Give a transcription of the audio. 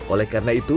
oleh karena itu